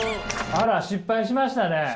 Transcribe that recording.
あら失敗しましたね。